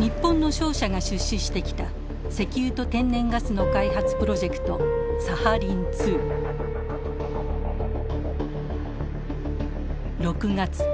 日本の商社が出資してきた石油と天然ガスの開発プロジェクトサハリン２。６月。